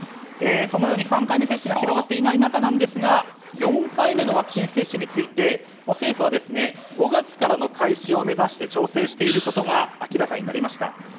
このように３回目接種が広がっていない中ですが４回目のワクチン接種について政府は５月からの開始を目指して調整していることが明らかになりました。